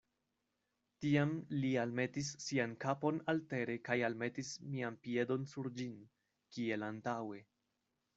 Tiam li almetis sian kapon altere kaj almetis mian piedon sur ĝin, kiel antaŭe.